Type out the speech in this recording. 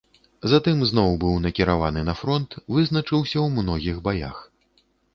Затым зноў быў накіраваны на фронт, вызначыўся ў многіх баях.